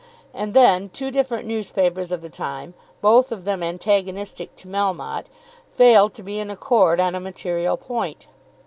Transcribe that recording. And then two different newspapers of the time, both of them antagonistic to Melmotte, failed to be in accord on a material point.